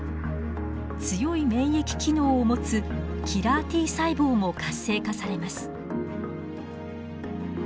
強い免疫機能を持つキラーＴ細胞も活性化されます。